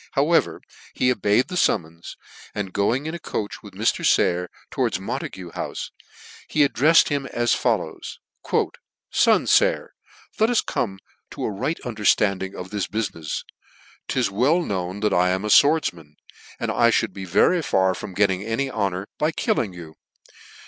However, he obeyed the fummons, and going in a coach with Mr. Saycr towards Montague Houfe, he ad drefled him as follows :" Son Sayer, let us come to a right understanding of this bufinefs. 'Tis 44 very well known that 1 am a fwordfman, and I " fhould be very far from getting any honour by " killing you.